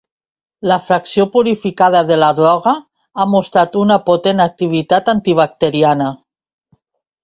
La fracció purificada de la droga ha mostrat una potent activitat antibacteriana.